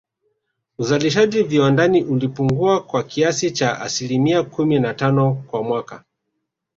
Uzalishaji viwandani ulipungua kwa kiasi cha asilimia kumi na tano kwa mwaka